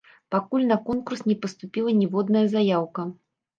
Пакуль на конкурс не паступіла ніводная заяўка.